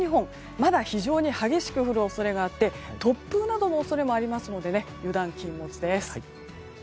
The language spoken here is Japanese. まだ非常に激しく降る恐れがあって突風などの恐れもありますので油断禁物です。